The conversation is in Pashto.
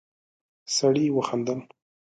سړی وخندل.